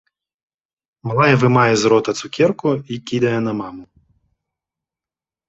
Малая вымае з рота цукерку і кідае на маму.